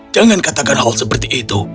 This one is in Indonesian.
jangan katakan hal seperti itu